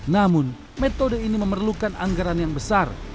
namun metode ini memerlukan anggaran yang besar